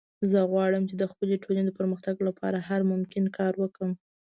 زه غواړم چې د خپلې ټولنې د پرمختګ لپاره هر ممکن کار وکړم